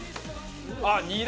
あっニラ！